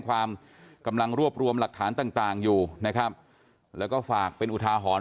ความกำลังรวบรวมหลักฐานต่างอยู่นะครับแล้วก็ฝากเป็นอุทาหรณ์